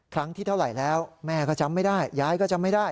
ที่เท่าไหร่แล้วแม่ก็จำไม่ได้ยายก็จำไม่ได้